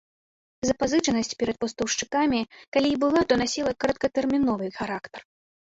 Запазычанасць перад пастаўшчыкамі, калі і была, то насіла кароткатэрміновы характар.